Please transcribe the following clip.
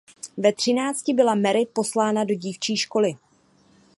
Ve třinácti byla Mary poslána do dívčí školy.